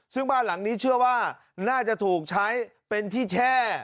ซึ่งบ้านหลังนี้เชื่อว่าน่าจะถูกใช้เป็นที่แช่